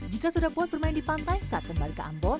jika sudah puas bermain di pantai saat kembali ke ambon